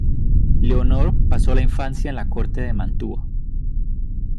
Leonor pasó la infancia en la corte de Mantua.